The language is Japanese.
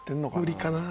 無理かな？